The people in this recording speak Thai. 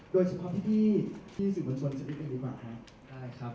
โดยเฉพาะพี่ที่สู่บัญชนจะได้กันดีกว่าค่ะ